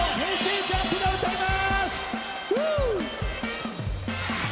ＪＵＭＰが歌います！